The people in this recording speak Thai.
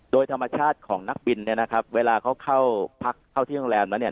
โดยธรรมชาติของนักบินเนี่ยนะครับเวลาเขาเข้าพักเข้าที่โรงแรมแล้วเนี่ย